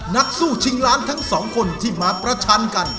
นักสู้ชิงล้านทั้งสองคนที่มาประชันกัน